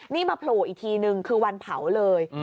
นี่มาโผล่อีกทีนึงคือวันเผาเลย